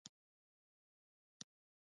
د الکسندریه اراکوزیا نوم کندهار شو